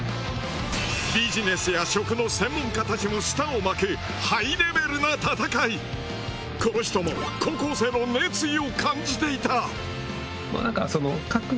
ビジネスや食の専門家たちも舌を巻くこの人も高校生の熱意を感じていた。